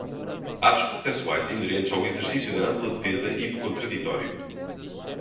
atos processuais inerentes ao exercício da ampla defesa e do contraditório